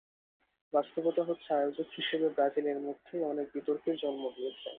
বাস্তবতা হচ্ছে, আয়োজক হিসেবে ব্রাজিল এরই মধ্যে অনেক বিতর্কের জন্ম দিয়েছে।